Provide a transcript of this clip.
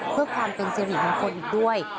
เพื่อความเป็นเจริญีบางคนอีกด้วย